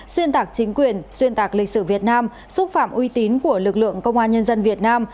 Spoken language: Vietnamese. xuyên tạc chính quyền xuyên tạc lịch sử việt nam xúc phạm uy tín của lực lượng công an nhân dân việt nam